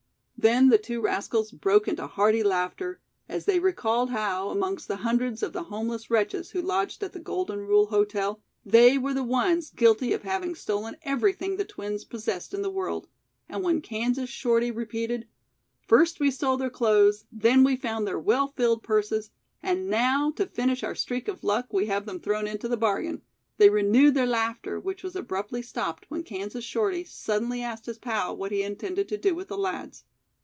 Then the two rascals broke into hearty laughter, as they recalled how, amongst the hundreds of the homeless wretches who lodged at the Golden Rule Hotel, they were the ones guilty of having stolen everything the twins possessed in the world, and when Kansas Shorty repeated: "First we stole their clothes, then we found their well filled purses, and now, to finish our streak of luck we have them thrown into the bargain," they renewed their laughter, which was abruptly stopped when Kansas Shorty suddenly asked his pal what he intended to do with the lads.